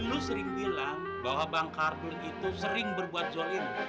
lu sering bilang bahwa bang kardun itu sering berbuat jolin